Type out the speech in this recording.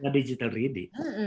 sudah digital ready